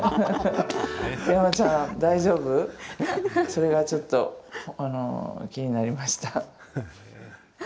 それがちょっと気になりました。